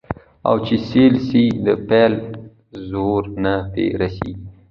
او چي سېل سي د پیل زور نه په رسیږي